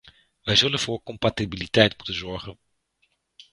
Wij zullen voor compatibiliteit moeten zorgen.